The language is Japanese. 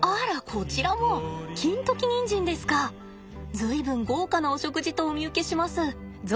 随分豪華なお食事とお見受けします。